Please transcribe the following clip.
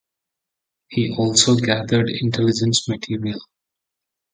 He also gathered intelligence material.